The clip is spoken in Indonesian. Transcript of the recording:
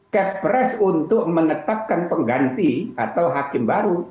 cap press untuk menetapkan pengganti atau hakim baru